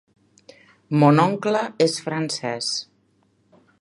Mon oncle és francés.